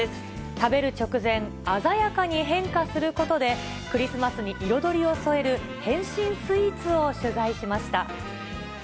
食べる直前、鮮やかに変化することで、クリスマスに彩りを添える変身スイーツを取材しました。